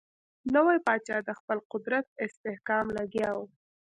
نوی پاچا د خپل قدرت استحکام لګیا وو.